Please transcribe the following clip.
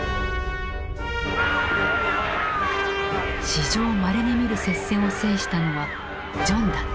史上まれにみる接戦を制したのはジョンだった。